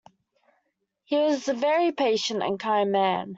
He was a very patient and kind man.